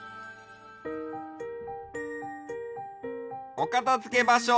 おかたづけばしょ